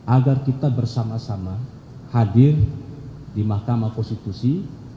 agar kita bersama sama hadir di mahkamah konstitusi